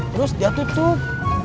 terus dia tutup